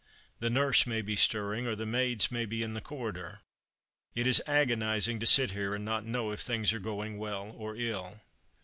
The nurse may be stirring, or the maids may be in the corridor. It is agonizing to sit here, and not know if things are going well or ill."